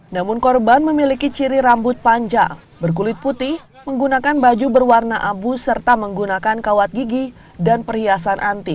namun korban memiliki ciri rambut panjang berkulit putih menggunakan baju berwarna abu serta menggunakan kawat gigi dan perhiasan anti